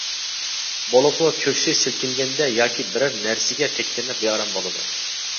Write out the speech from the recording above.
بولۇپمۇ كۆكسى سىلكىنگەندە ياكى بىرەر نەرسىگە تەگكەندە بىئارام بولىدۇ.